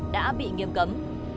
đã bị nghiêm cấm